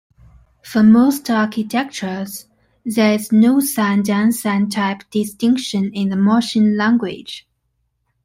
For most architectures, there is no signed-unsigned type distinction in the machine language.